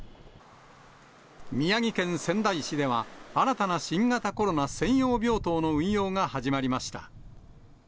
宮城県仙台市では、新たな新型コロナ専用病棟の運用が始まりました。